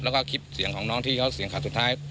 แล้วก็คลิปเสียงของน้องที่เขาเสียงขาดสุดท้าย